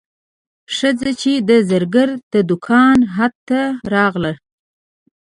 ښځه چې د زرګر د دوکان حد ته راغله.